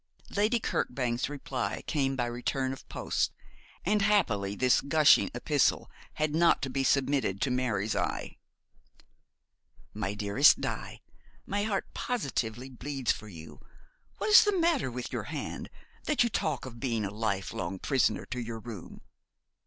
Lady Kirkbank's reply came by return of post, and happily this gushing epistle had not to be submitted to Mary's eye. 'My dearest Di, 'My heart positively bleeds for you. What is the matter with your hand, that you talk of being a life long prisoner to your room?